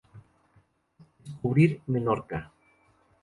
Descubrir Menorca.